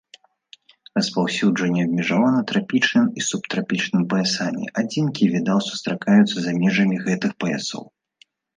Распаўсюджанне абмежавана трапічным і субтрапічным паясамі, адзінкі відаў сустракаюцца за межамі гэтых паясоў.